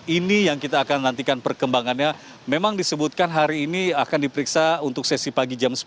ini yang kita akan nantikan perkembangannya memang disebutkan hari ini akan diperiksa untuk sesi pagi jam sepuluh